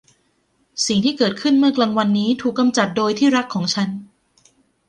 สิ่งที่เกิดขึ้นเมื่อกลางวันนี้ถูกกำจัดโดยที่รักของฉัน